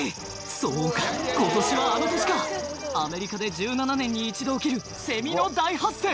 そうか今年はあの年かアメリカで１７年に１度起きるセミの大発生